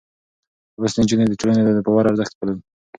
لوستې نجونې د ټولنې د باور ارزښت پالي.